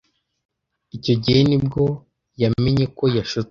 Icyo gihe ni bwo yamenye ko yashutswe.